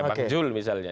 pak jul misalnya